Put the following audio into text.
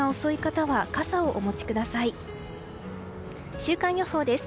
週間予報です。